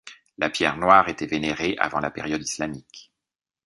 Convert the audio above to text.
La pierre noire était vénérée avant la période islamique.